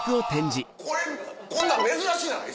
これこんなん珍しない？